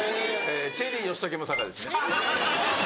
チェリー吉武も佐賀ですね。